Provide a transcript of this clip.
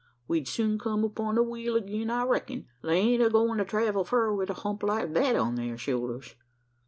We'd soon kum upon the wheel agin, I reck'n: they ain't a goin' to travel fur, wi' a hump like thet on thar shoulders."